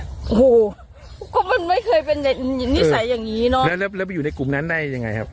โอ้โหก็มันไม่เคยเป็นนิสัยอย่างนี้เนอะแล้วแล้วไปอยู่ในกลุ่มนั้นได้ยังไงครับ